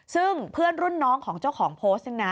ซึ่งเพื่อนรุ่นน้องของเจ้าของโพสต์นี่นะ